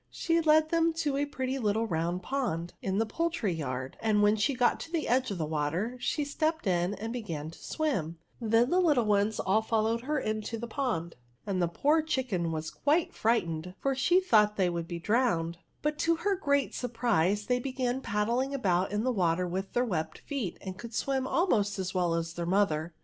She led them to a pretty little round pond in the poultry yard ; and when she got to the edge of the water, she stepped in and began to swim ; then the little ones all followed her into the pond, and the poor chicken was quite firight ened, for she thought they would be drowned ; but to her great surprise they began pad dling about in the water with their webbed feet, and could swim almost as well as their mother.